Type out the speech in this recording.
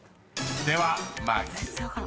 ［では参ります］